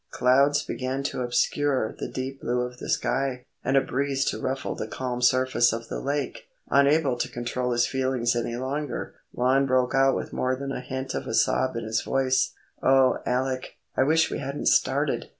Clouds began to obscure the deep blue of the sky, and a breeze to ruffle the calm surface of the lake. Unable to control his feelings any longer, Lon broke out with more than a hint of a sob in his voice,— "O Alec, I wish we hadn't started!